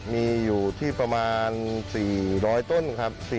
มีอยู่ที่ประมาณ๔๐๐ต้นครับ